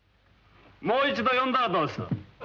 もう一度呼んだらどうです？